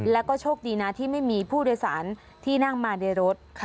แล้วก็โชคดีนะที่ไม่มีผู้โดยสารที่นั่งมาในรถ